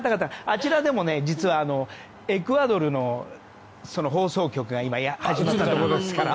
あちらでも実はエクアドルの放送局が今、始まったところですから。